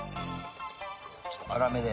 ちょっと粗めで。